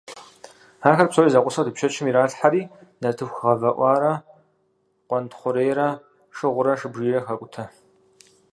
Ахэр псори зэгъусэу тепщэчым иралъхьэри, нартыху гъэфӀэӀуарэ къуэнтхъурейрэ, шыгъурэ шыбжийрэ хакӀутэ.